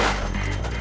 aku mau lihat